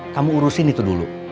kamu urusin itu dulu